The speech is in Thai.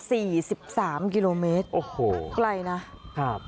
สิบสามกิโลเมตรโอ้โหไกลนะครับ